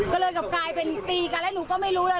ก็เลยกลับกลายเป็นตีกันแล้วหนูก็ไม่รู้เลย